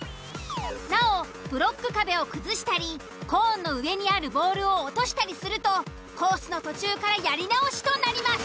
なおブロック壁を崩したりコーンの上にあるボールを落としたりするとコースの途中からやり直しとなります。